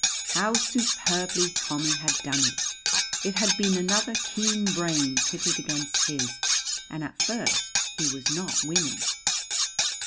How superbly Tommy had done it! It had been another keen brain pitted against his, and at first he was not winning.